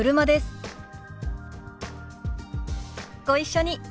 ご一緒に。